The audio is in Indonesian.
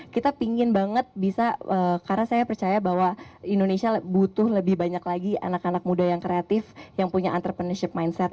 kita pingin banget bisa karena saya percaya bahwa indonesia butuh lebih banyak lagi anak anak muda yang kreatif yang punya entrepreneurship mindset